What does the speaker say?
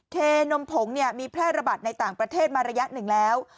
เคนมผงมีแพร่ระบาดในต่างประเทศมาระยะหนึ่งแล้ว